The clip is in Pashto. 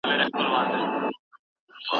موږه يې ښه وايو پر